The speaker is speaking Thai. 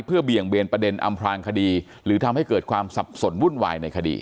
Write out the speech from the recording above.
เพื่อเบี่ยงเบนประเด็นอำพลางคดีหรือทำให้เกิดความสับสนวุ่นวายในคดี